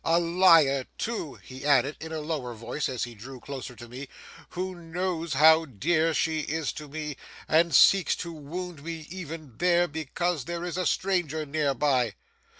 A liar too,' he added, in a lower voice as he drew closer to me, 'who knows how dear she is to me, and seeks to wound me even there, because there is a stranger nearby.